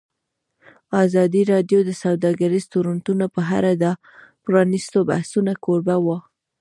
ازادي راډیو د سوداګریز تړونونه په اړه د پرانیستو بحثونو کوربه وه.